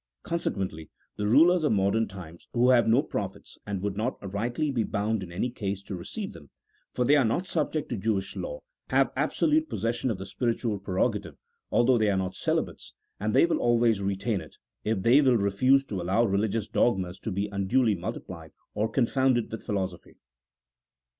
Consequently the rulers of modern times, who have no prophets and would not rightly be bound in any case to receive them (for they are not subject to Jewish law), have absolute possession of the spiritual prerogative, although they are not celibates, and they will always retain it, if they will refuse to allow re ligious dogmas to be unduly multiplied or confounded with philosophy.